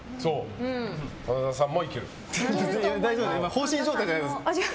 放心状態じゃないですか。